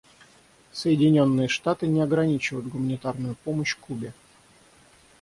Соединенные Штаты не ограничивают гуманитарную помощь Кубе.